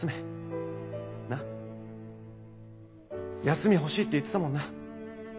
休み欲しいって言ってたもんな。